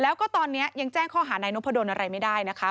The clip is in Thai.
แล้วก็ตอนนี้ยังแจ้งข้อหานายนพดลอะไรไม่ได้นะคะ